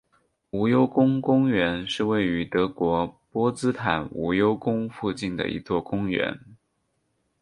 无忧宫公园是位于德国波茨坦无忧宫附近的一座公园。